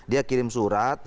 dia kirim surat